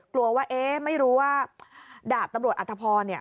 กลัวว่าเอ๊ะไม่รู้ว่าดาบตำรวจอัธพรเนี่ย